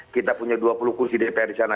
kita punya dua puluh kursi dpr di sana